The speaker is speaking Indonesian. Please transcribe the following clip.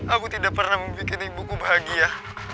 aku tidak pernah membuat ibuku bahagia